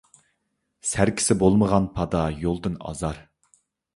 سەركىسى بولمىغان پادا يولدىن ئازار.